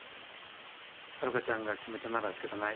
ハルカちゃんが決めたならしかたない。